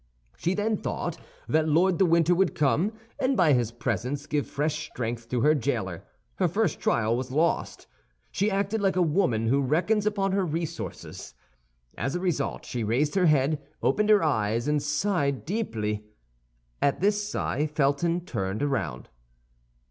She then thought that Lord de Winter would come, and by his presence give fresh strength to her jailer. Her first trial was lost; she acted like a woman who reckons up her resources. As a result she raised her head, opened her eyes, and sighed deeply. At this sigh Felton turned round.